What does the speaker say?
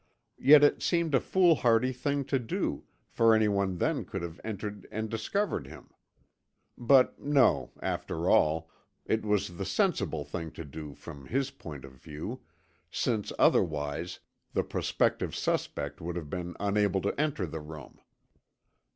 Yet it seemed a foolhardy thing to do, for any one then could have entered and discovered him. But, no, after all, it was the sensible thing to do from his point of view, since otherwise the prospective suspect would have been unable to enter the room.